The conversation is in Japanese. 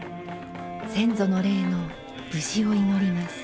先祖の霊の無事を祈ります。